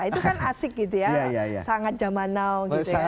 itu kan asik gitu ya sangat jamanow